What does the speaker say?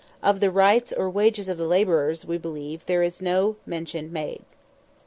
Of the rights or wages of the labourers, we believe, there is no mention made. BOOK V.